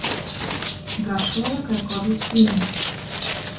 Garšuoja kai kozys pīns.